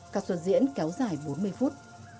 các xuân diễn kéo dài bốn mươi phút